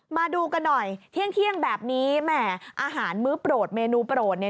มาดูกันหน่อยเที่ยงแบบนี้แหมอาหารมื้อโปรดเมนูโปรดเนี่ย